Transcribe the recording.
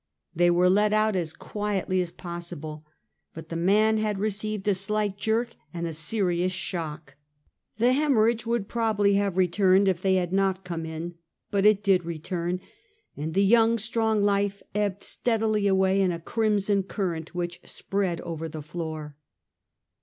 They were led out as quietly as possi ble, but the man had received a slight jerk and a ser ious shock. The hemorrhage would probably have re turned if they had not come in, but it did return, and the young, strong life ebbed steadily away in a crimson current which spread over the floor.